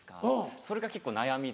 それが結構悩みで。